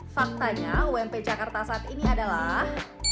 faktanya ump jakarta saat ini adalah